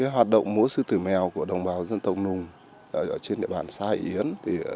hoạt động múa sư tử mèo của đồng bào dân tộc nùng trên địa bàn sa y yến